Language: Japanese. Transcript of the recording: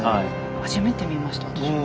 初めて見ました私も。